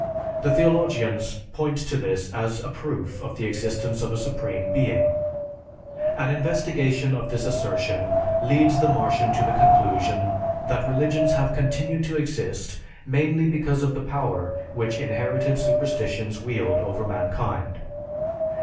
The theologians point to this as a proof of the existence of a supreme being. An investigation of this assertion leads the Martian to the conclusion that religions have continued to exist mainly because of the power which inherited superstitions wield over mankind.